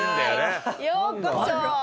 ようこそ！